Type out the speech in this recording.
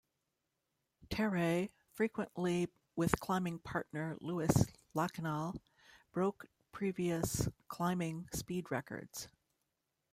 Terray, frequently with climbing partner Louis Lachenal, broke previous climbing speed records.